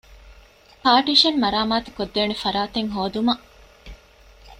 ޕާޓިޝަން މަރާމާތުކޮށްދޭނެ ފަރާތެއް ހޯދުމަށް